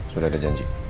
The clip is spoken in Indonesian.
sudah ada janji